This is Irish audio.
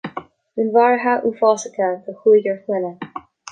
Dúnmharuithe uafásacha de chúigear clainne